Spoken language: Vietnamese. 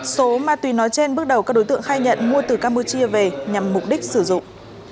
số ma túy nói trên bước đầu các đối tượng khai nhận mua từ campuchia về nhằm mục đích sử dụng